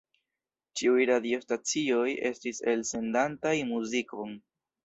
Ĉiuj radiostacioj estis elsendantaj muzikon.